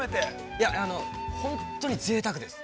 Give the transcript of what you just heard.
◆いや、本当にぜいたくです。